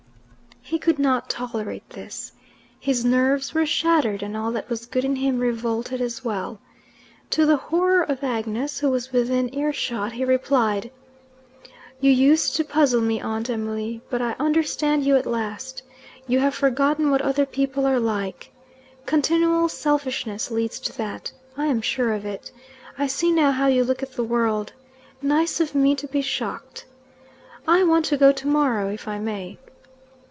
He could not tolerate this. His nerves were shattered, and all that was good in him revolted as well. To the horror of Agnes, who was within earshot, he replied, "You used to puzzle me, Aunt Emily, but I understand you at last. You have forgotten what other people are like. Continual selfishness leads to that. I am sure of it. I see now how you look at the world. 'Nice of me to be shocked!' I want to go tomorrow, if I may."